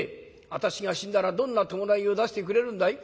私が死んだらどんな葬式を出してくれるんだい？」。